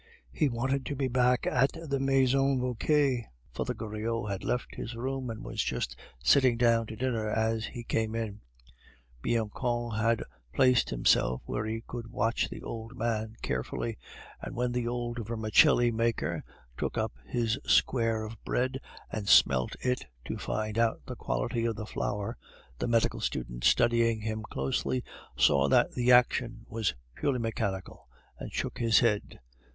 He wanted to be back at the Maison Vauquer. Father Goriot had left his room, and was just sitting down to dinner as he came in. Bianchon had placed himself where he could watch the old man carefully; and when the old vermicelli maker took up his square of bread and smelled it to find out the quality of the flour, the medical student, studying him closely, saw that the action was purely mechanical, and shook his head.